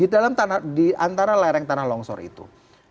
di antara lereng tanah longsor itu